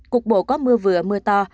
cục bộ có mưa vừa mưa to